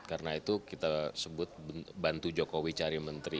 karena itu kita sebut bantu jokowi cari menteri